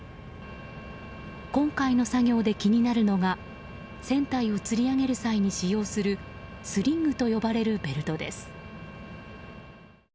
今回の作業で気になるのが船体をつり上げる際に使用するスリングと呼ばれるベルトです。